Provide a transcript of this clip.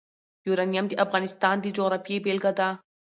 یورانیم د افغانستان د جغرافیې بېلګه ده.